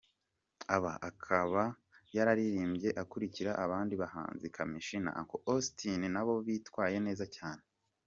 Aha akaba yararirimbye akurikira abandi bahanzi Kamichi na Uncle Austin nabo bitwaye neza cyane.